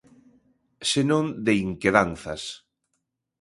Senón de inquedanzas.